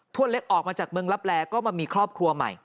เล็กออกมาจากเมืองลับแลก็มามีครอบครัวใหม่